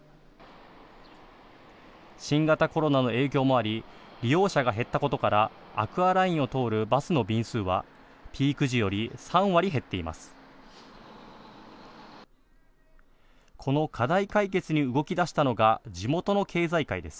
新型コロナの影響もあり利用者が減ったことからアクアラインを通るバスの便数はピーク時より３割、減っています。